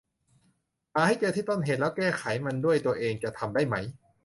หาให้เจอที่ต้นเหตุแล้วแก้ไขมันด้วยตัวเองจะทำได้ไหม